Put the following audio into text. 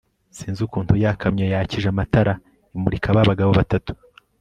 sinzi ukuntu yakamyo yakije amatara imurika babagabo batatu